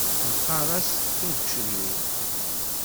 Neqqar-as tagecrirt.